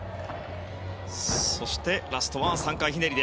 そしてラストは３回ひねり。